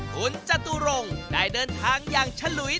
คุณจตุรงค์ได้เดินทางอย่างฉลุย